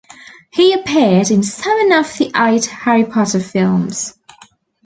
He appeared in seven of the eight "Harry Potter" films.